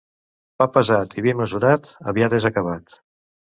Pa pesat i vi mesurat, aviat és acabat.